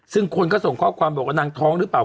ซึ่งคนก็ส่งข้อความบอกว่านางท้องหรือเปล่า